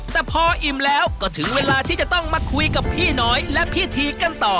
แต่พออิ่มแล้วก็ถึงเวลาที่จะต้องมาคุยกับพี่น้อยและพี่ทีกันต่อ